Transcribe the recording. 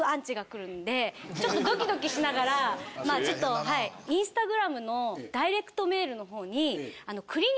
ちょっとドキドキしながらまあちょっとインスタグラムのダイレクトメールのほうに。